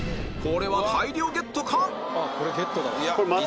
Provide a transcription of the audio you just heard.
これは大量ゲットか？